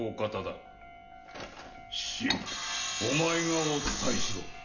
信お前がお伝えしろ。